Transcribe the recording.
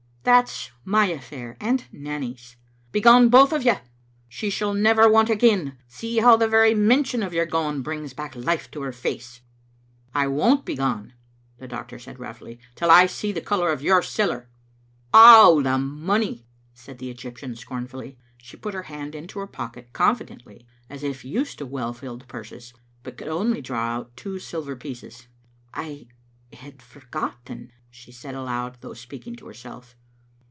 "That is my affair, and Nanny's. Begone, both of yott. She sh^dl never want again. See how the very mention of your going brings back life to her face." " I won't begone," the doctor said roughly, "till I see the colour of your siller. "" Oh, the money," said the Egjrptian scornfully. She put her hand into her pocket confidently, as if used to well filled purses, but could only draw out two silver pieces. "I had forgotten," she said aloud, though speaking to herself.